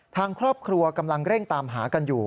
ทางครอบครัวกำลังเร่งตามหากันอยู่